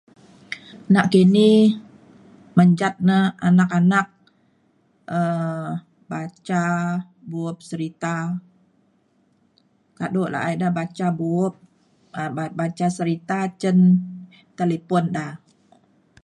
Nakini menjat na anak anak um baca bup serita kado la’a ida baca bup um ba- baca serita cen talipon da